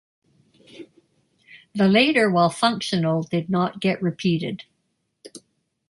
The later, while functional, did not get repeated.